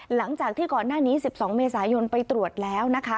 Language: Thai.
หลังจากที่ก่อนหน้านี้๑๒เมษายนไปตรวจแล้วนะคะ